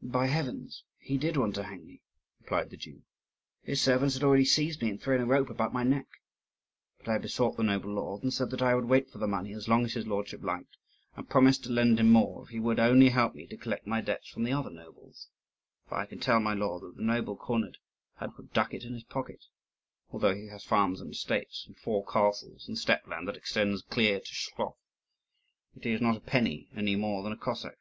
"By heavens, he did want to hang me," replied the Jew; "his servants had already seized me and thrown a rope about my neck. But I besought the noble lord, and said that I would wait for the money as long as his lordship liked, and promised to lend him more if he would only help me to collect my debts from the other nobles; for I can tell my lord that the noble cornet had not a ducat in his pocket, although he has farms and estates and four castles and steppe land that extends clear to Schklof; but he has not a penny, any more than a Cossack.